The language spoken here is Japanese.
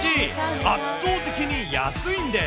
圧倒的に安いんです。